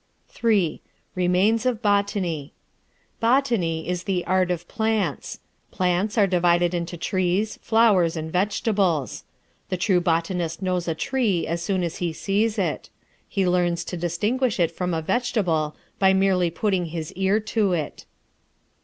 III. REMAINS OF BOTANY. Botany is the art of plants. Plants are divided into trees, flowers, and vegetables. The true botanist knows a tree as soon as he sees it. He learns to distinguish it from a vegetable by merely putting his ear to it.